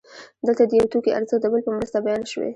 دلته د یو توکي ارزښت د بل په مرسته بیان شوی